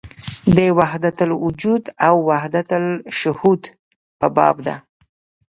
د وحدت الوجود او وحدت الشهود په باب ده.